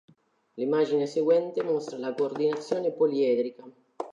L'immagine seguente mostra la coordinazione poliedrica.